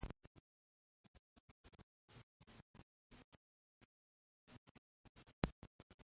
چې دغه ځنګون عملیات کړم، روغتیایی ستونزه به راشي.